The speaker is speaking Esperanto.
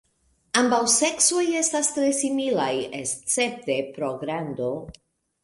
Ambaŭ seksoj estas tre similaj escepte pro grando.